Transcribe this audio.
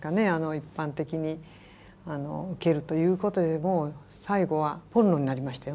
一般的にウケるということよりも最後はポルノになりましたよね。